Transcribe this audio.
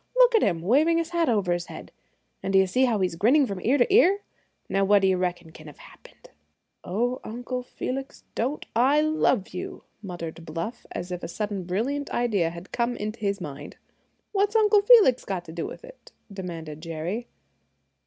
"Look at him waving his hat over his head? And do you see how he's grinning from ear to ear? Now what d'ye reckon can have happened?" "Oh, Uncle Felix, don't I love you!" muttered Bluff, as if a sudden brilliant idea had come into his mind. "What's Uncle Felix got to do with it?" demanded Jerry.